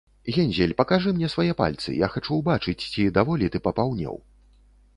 - Гензель, пакажы мне свае пальцы, я хачу ўбачыць, ці даволі ты папаўнеў